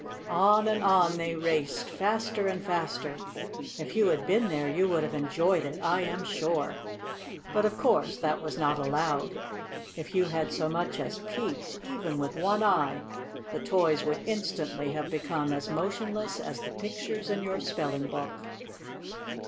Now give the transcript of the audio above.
On and on they raced, faster and faster. If you had been there you would have enjoyed it, I am sure. But of course that was not allowed. If you had so much as peeped, even with one eye, the toys would instantly have become as motionless as the pictures in your spelling book.